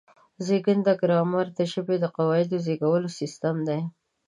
زېږنده ګرامر د ژبې د قواعدو د زېږولو سیستم دی.